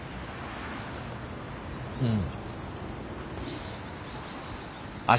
うん。